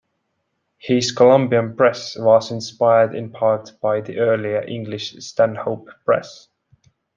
His Columbian Press was inspired in part by the earlier English Stanhope press.